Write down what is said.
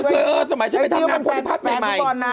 เออสมัยฉันไปทำงานโพธิพัฒน์ใหม่